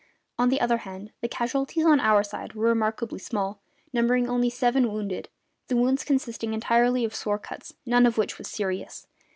On the other hand, the casualties on our side were remarkably small, numbering only seven wounded, the wounds consisting entirely of sword cuts, none of which was serious.